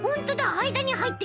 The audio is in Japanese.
あいだにはいってく。